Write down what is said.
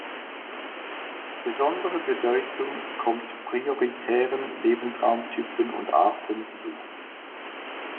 Besondere Bedeutung kommt "prioritären" Lebensraumtypen und Arten zu.